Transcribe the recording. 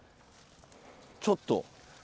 ちょっと。